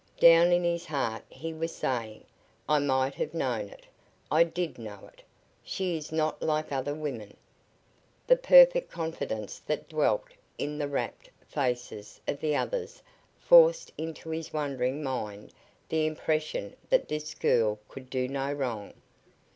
Down in his heart he was saying: "I might have known it. I did know it. She is not like other women." The perfect confidence that dwelt in the rapt faces of the others forced into his wondering mind the impression that this girl could do no wrong.